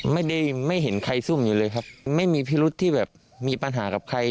ไม่เห็นใครซุ่มอยู่เลยครับไม่มีพิรุษที่แบบมีปัญหากับใคร